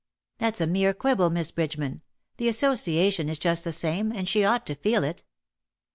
" That^s a mere quibble. Miss Bridgeman : the association is just the same, and she ought to feel it."